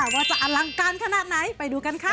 ว่าจะอลังการขนาดไหนไปดูกันค่ะ